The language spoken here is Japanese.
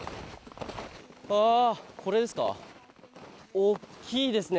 これですか？